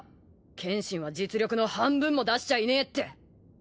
剣心は実力の半分も出しちゃいねえって。